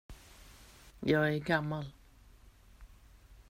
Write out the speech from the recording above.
Jag är gammal.